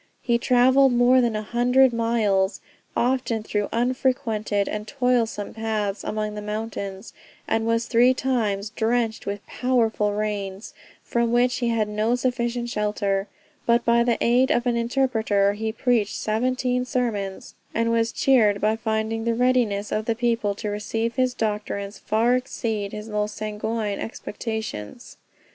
He travelled more than one hundred miles, often through unfrequented and toilsome paths among the mountains, and was three times drenched with powerful rains, from which he had no sufficient shelter; but by the aid of an interpreter he preached seventeen sermons, and was cheered by finding the readiness of the people to receive his doctrines far exceed his most sanguine expectations.